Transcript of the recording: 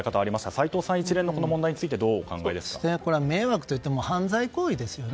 齋藤さん、一連の問題についてこれは迷惑といっても犯罪行為ですよね。